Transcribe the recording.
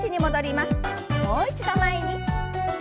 もう一度前に。